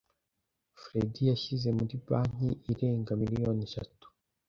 Fredy yashyize muri banki irenga miliyoni eshatu.